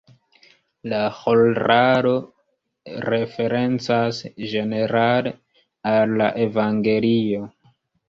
La ĥoralo referencas ĝenerale al la evangelio.